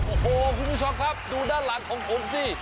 โอ้โหคุณผู้ชมครับดูด้านหลังของผมสิ